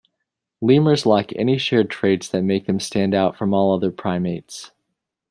Lemurs lack any shared traits that make them stand out from all other primates.